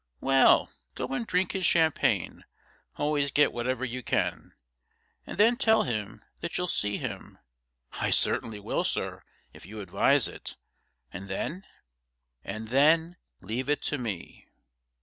'Well, go and drink his champagne. Always get whatever you can. And then tell him that you'll see him ' 'I certainly will, sir, if you advise it. And then?' 'And then leave it to me.